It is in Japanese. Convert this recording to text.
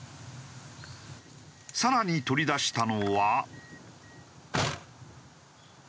更に取り出したのは。